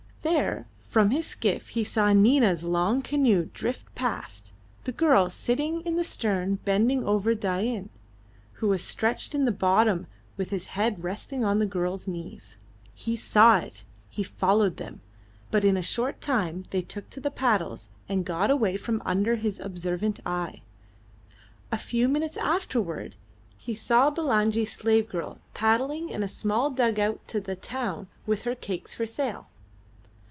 There from his skiff he saw Nina's long canoe drift past, the girl sitting in the stern bending over Dain, who was stretched in the bottom with his head resting on the girl's knees. He saw it. He followed them, but in a short time they took to the paddles and got away from under his observant eye. A few minutes afterwards he saw Bulangi's slave girl paddling in a small dug out to the town with her cakes for sale.